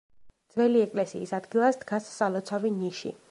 ძველი ეკლესიის ადგილას დგას სალოცავი ნიში.